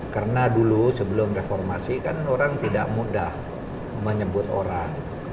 karena dulu sebelum reformasi kan orang tidak mudah menyebut orang